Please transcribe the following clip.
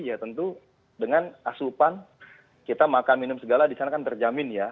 ya tentu dengan asupan kita makan minum segala di sana kan terjamin ya